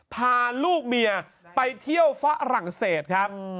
พาลูกเมียไปเที่ยวฝรั่งเศสครับ